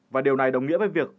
và điều này đồng nghĩa với việc